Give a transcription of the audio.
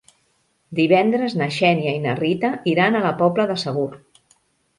Divendres na Xènia i na Rita iran a la Pobla de Segur.